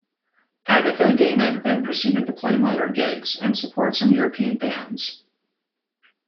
"Agathodaimon" then proceeded to play minor gigs and support some European bands.